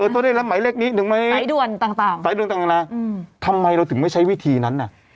โทรได้แล้วไหมเลขนี้๑ไหมไฟด่วนต่างทำไมเราถึงไม่ใช้วิธีนั้น